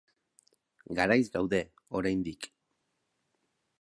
Garaiz gaude, oraindik.